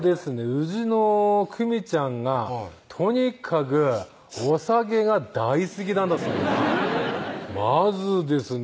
うちのくみちゃんがとにかくお酒が大好きなんだすなまずですね